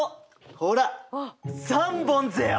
ほら３本ぜよ！